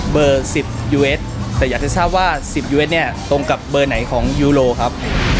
๑๐ยูเอสแต่อยากจะทราบว่า๑๐ยูเวสเนี่ยตรงกับเบอร์ไหนของยูโรครับ